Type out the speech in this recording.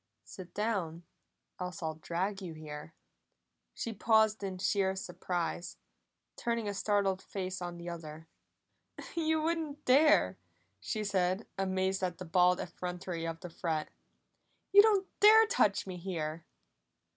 "Sit down, else I'll drag you here!" She paused in sheer surprise, turning a startled face on the other. "You wouldn't dare!" she said, amazed at the bald effrontery of the threat. "You don't dare touch me here!"